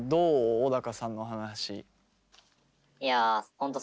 小高さんの話。